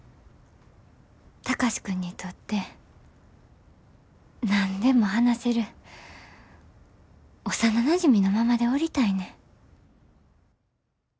貴司君にとって何でも話せる幼なじみのままでおりたいねん。